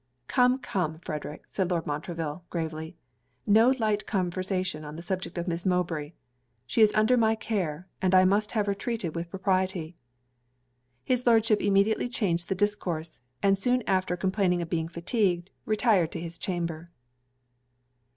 'Come, come, Frederic,' said Lord Montreville, gravely, 'no light conversation on the subject of Miss Mowbray. She is under my care; and I must have her treated with propriety.' His Lordship immediately changed the discourse, and soon after complaining of being fatigued, retired to his chamber.